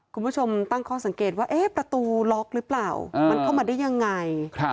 คุณผู้ชมตั้งข้อสังเกตว่าประตูล็อกหรือเปล่ามันเข้ามาได้ยังไง